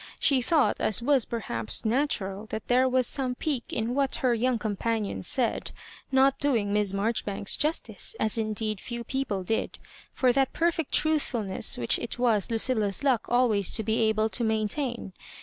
She thought, as was perhaps natural, that there was some pique in what her young compftnion said ; not doing Miss Marjori banks justice — as indeed few people did — for that perfect trathfulness which it was Lucilla 's luck always to be able to maintain.